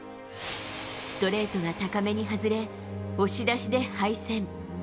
ストレートが高めに外れ押し出しで敗戦。